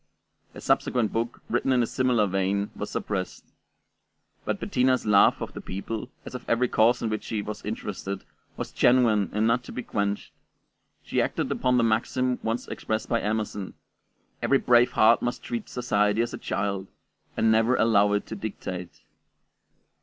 A subsequent book, written in a similar vein, was suppressed. But Bettina's love of the people, as of every cause in which she was interested, was genuine and not to be quenched; she acted upon the maxim once expressed by Emerson, "Every brave heart must treat society as a child, and never allow it to dictate."